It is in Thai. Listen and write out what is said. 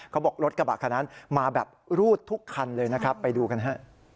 เขาบอกรถกระบะคันนั้นมาแบบรูดทุกคันเลยนะครับไปดูกันฮะ